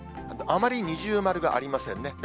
あまり二重丸がありませんね。